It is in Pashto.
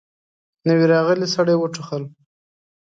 نوي راغلي سړي وټوخل.